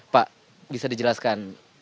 pak bisa dijelaskan